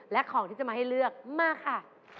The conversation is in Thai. และของที่จะมาให้เลือกมาค่ะ